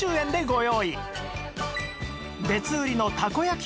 別売りのたこ焼き